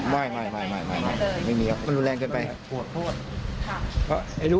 ไม่ไม่มีอะไรมันรุนแรงเกินไป